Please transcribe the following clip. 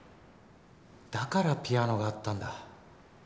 だからピアノがあったんだ。